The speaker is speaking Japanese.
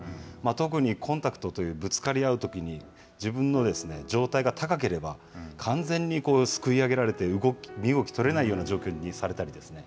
特にコンタクトというぶつかり合うときに、自分の状態が高ければ完全にすくい上げられて身動きが取れない状態にされたりとかですね。